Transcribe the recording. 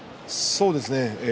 そうですね。